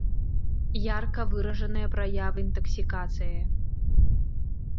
Ярка выражаныя праявы інтаксікацыі.